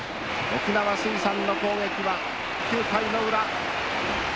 沖縄水産の攻撃は９回のウラ。